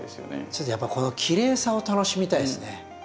ちょっとやっぱこのきれいさを楽しみたいですね。